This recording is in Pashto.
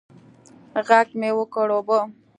ږغ مې وکړ اوبه.